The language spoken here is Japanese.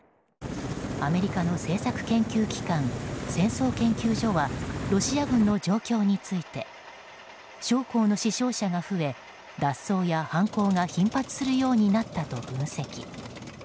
アメリカの政策研究機関戦争研究所はロシア軍の状況について将校の死傷者が増え脱走や犯行が頻発するようになったと分析。